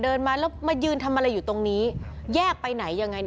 มาแล้วมายืนทำอะไรอยู่ตรงนี้แยกไปไหนยังไง